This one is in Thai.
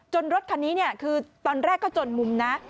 รถคันนี้คือตอนแรกก็จนมุมนะ